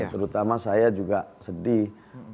terutama saya juga sedih